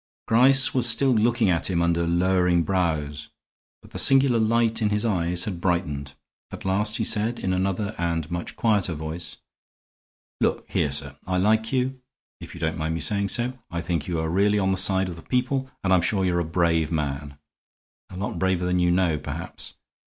Gryce was still looking at him under lowering brows, but the singular light in his eyes had brightened. At last he said, in another and much quieter voice: "Look here, sir. I like you, if you don't mind my saying so. I think you are really on the side of the people and I'm sure you're a brave man. A lot braver than you know, perhaps.